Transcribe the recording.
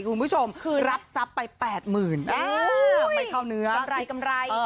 คุณผู้ชมคือรับทรัพย์ไปแปดหมื่นอ้าวไปเข้าเนื้อกำไรกำไรเออ